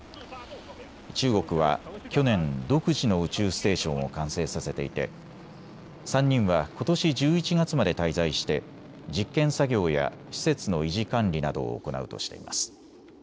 中国は去年、独自の宇宙ステーションを完成させていて３人はことし１１月まで滞在して実験作業や施設の維持管理などを行うとしています。